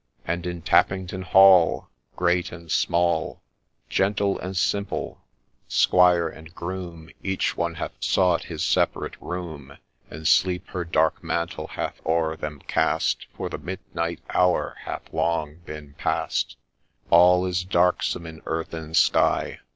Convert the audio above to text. And in Tappington Hall Great and Small, Gentle and Simple, Squire and Groom, Each one hath sought his separate room, And sleep her dark mantle hath o'er them cast, For the midnight hour hath long been past J All is darksome in earth and sky.